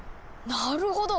なるほど！